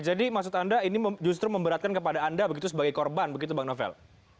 jadi ini justru memberatkan kepada anda begitu sebagai korban begitu bang novel